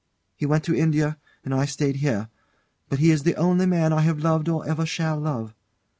He went to India, and I stayed here; but he is the only man I have loved or ever shall love.